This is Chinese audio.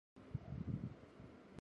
瓦地区塞尔维耶。